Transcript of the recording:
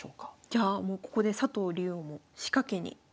じゃあもうここで佐藤竜王も仕掛けにいくんですね。